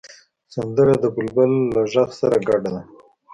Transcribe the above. سندره د بلبله له غږ سره ګډه ده